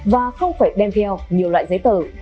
và không phải đem theo nhiều loại giấy tờ